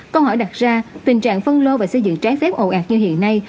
câu hỏi đặt ra tình trạng phân lô và xây dựng trái phép ồ ạt như hiện nay